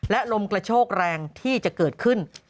และลมกระโชกแรงที่จะเกิดขึ้น